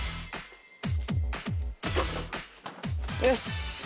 よし！